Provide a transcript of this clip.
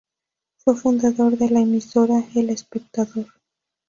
Fue fundador de la emisora "El Espectador".